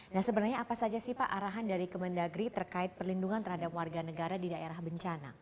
nah sebenarnya apa saja sih pak arahan dari kemendagri terkait perlindungan terhadap warga negara di daerah bencana